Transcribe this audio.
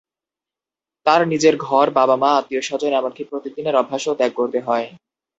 তাঁর নিজের ঘর, বাবা-মা, আত্মীয়স্বজন এমনকি প্রতিদিনের অভ্যাসও ত্যাগ করতে হয়।